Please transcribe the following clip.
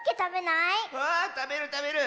わあたべるたべる！